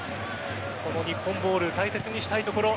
この日本ボール大切にしたいところ。